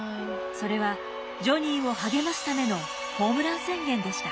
それはジョニーを励ますためのホームラン宣言でした。